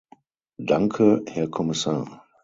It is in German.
Danke, Herr Kommissar!